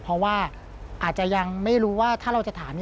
เพราะว่าอาจจะยังไม่รู้ว่าถ้าเราจะถาม